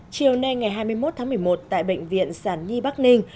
chiều nay ngày hai mươi một tháng một mươi một tại bệnh viện sản nhi bắc ninh